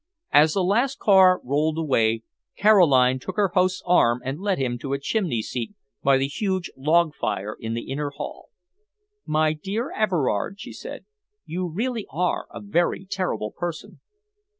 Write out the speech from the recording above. As the last car rolled away, Caroline took her host's arm and led him to a chimney seat by the huge log fire in the inner hall. "My dear Everard," she said, "you really are a very terrible person."